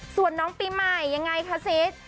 ส่วนน้องปีใหม่ยังไงคะซิส